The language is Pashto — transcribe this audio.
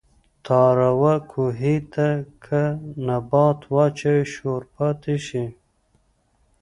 تاروۀ کوهي ته کۀ نبات واچوې شور پاتې شي